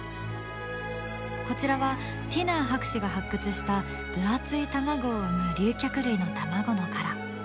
こちらはティナー博士が発掘した分厚い卵を産む竜脚類の卵の殻。